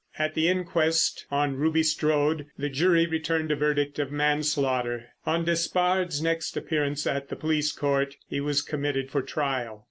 At the inquest on Ruby Strode the jury returned a verdict of manslaughter. On Despard's next appearance at the police court he was committed for trial.